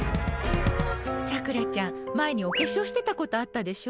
さくらちゃん、前にお化粧してたことあったでしょ。